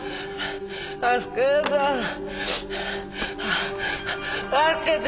助けて